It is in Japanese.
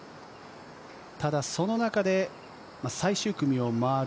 ただその中で最終組を回る